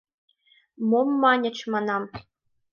— Мом маньыч, манам...